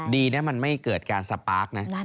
ดีนะมันไม่เกิดการสปาร์คนะ